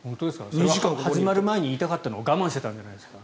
それは始まる前に言いたかったのを我慢してたんじゃないですか？